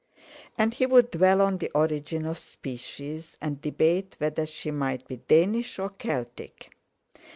And he would dwell on the origin of species, and debate whether she might be Danish or Celtic.